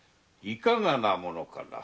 いかがなものかな？